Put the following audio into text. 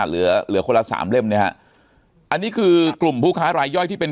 เหลือเหลือคนละสามเล่มเนี่ยฮะอันนี้คือกลุ่มผู้ค้ารายย่อยที่เป็น